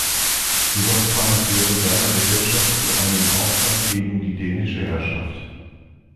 Jedoch kam es während seiner Regentschaft zu einem Aufstand gegen die dänische Herrschaft.